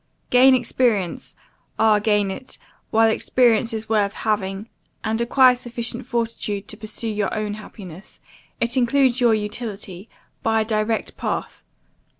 Gain experience ah! gain it while experience is worth having, and acquire sufficient fortitude to pursue your own happiness; it includes your utility, by a direct path.